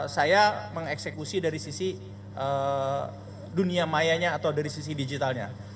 saya mengeksekusi dari sisi dunia mayanya atau dari sisi digitalnya